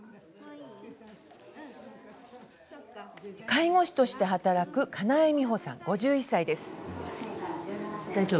介護士として働く金井美穂さん、５１歳です。